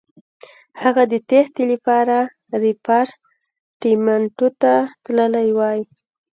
هغه د تېښتې لپاره ریپارټیمنټو ته تللی وای.